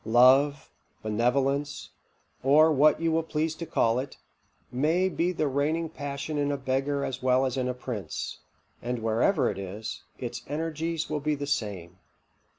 Love, benevolence, or what you will please to call it, may be the reigning passion in a beggar as well as in a prince; and wherever it is, its energies will be the same.